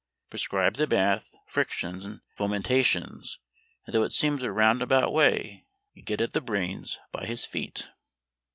Prescribe the bath, frictions, and fomentations, and though it seems a round about way, you get at the brains by his feet.